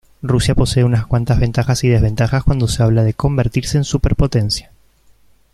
Rusia posee unas cuantas ventajas y desventajas cuando se habla de convertirse en superpotencia.